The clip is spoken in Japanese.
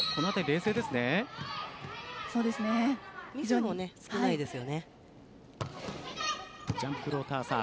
ミスも少ないですよね。